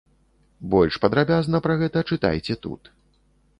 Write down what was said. Больш падрабязна пра гэта чытайце тут.